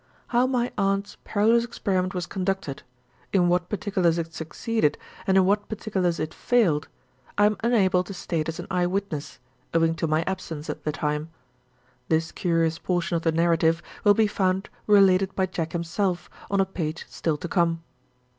How my aunt's perilous experiment was conducted in what particulars it succeeded and in what particulars it failed I am unable to state as an eyewitness, owing to my absence at the time. This curious portion of the narrative will be found related by Jack himself, on a page still to come.